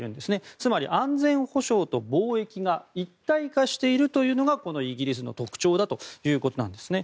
つまり、安全保障と貿易が一体化しているというのがこのイギリスの特徴だということなんです。